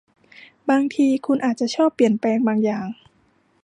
บางทีคุณอาจจะชอบเปลี่ยนแปลงบางอย่าง